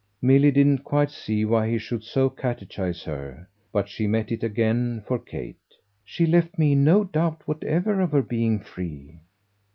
Milly didn't quite see why he should so catechise her; but she met it again for Kate. "She left me in no doubt whatever of her being free."